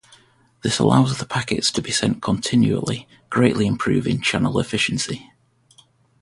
This allows the packets to be sent continually, greatly improving channel efficiency.